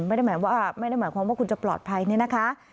ไม่ได้หมายว่าไม่ได้หมายความว่าคุณจะปลอดภัยเนี่ยนะคะ